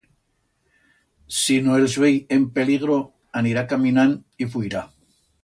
Si no els vei en peligro, anirá caminand y fuirá.